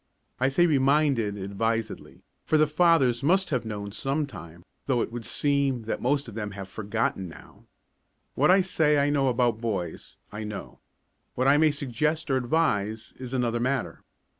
I say "reminded" advisedly, for the fathers must have known some time, though it would seem that most of them have forgotten now. What I say I know about boys, I know. What I may suggest or advise is another matter.